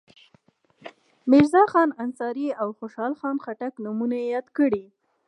میرزاخان انصاري او خوشحال خټک نومونه یې یاد کړي.